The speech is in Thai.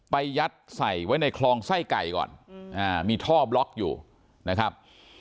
ยัดใส่ไว้ในคลองไส้ไก่ก่อนมีท่อบล็อกอยู่นะครับ